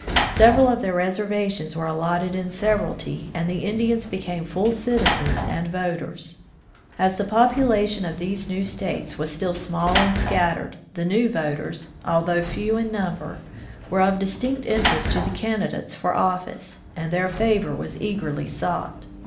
Several of their reservations were allotted in severalty and the Indians became full citizens and voters. As the population of these new states was still small and scattered, the new voters, although few in number, were of distinct interest to the candidates for office, and their favor was eagerly sought.